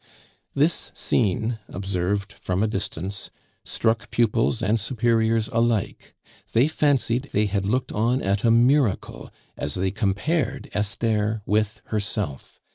This scene, observed from a distance, struck pupils and superiors alike; they fancied they had looked on at a miracle as they compared Esther with herself.